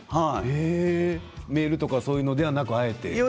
メールとかそういうものではなく、あえて？